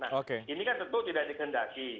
nah ini kan tentu tidak dikendaki